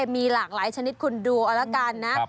มีหลากหลายชนิดคุณดูเอาละกันนะ